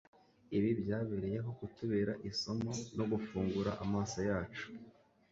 Ibi byabereyeho kutubera isomo no gufungura amaso yacu